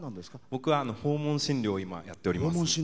僕は訪問診療をやっています。